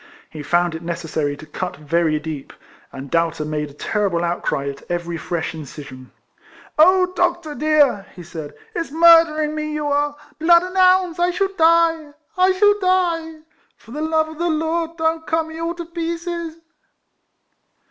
He found it necessary to cut very deep, and Doubter made a terrible outcry at every fresh in cision. " Oh, doctor dear! " he said, "it's mur dering me you are! Blood an' 'ounds! I shall die! — I shall die! For the love of the Lord don't cut me all to pieces